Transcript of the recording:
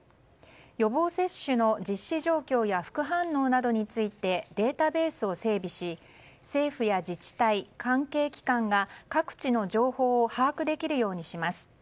予防接種の実施状況や副反応などについてデータベースを整備し政府や自治体、関係機関が各地の情報を把握できるようにします。